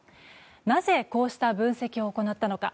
なぜこうした分析を行ったのか。